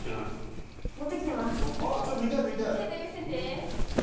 見せて見せて。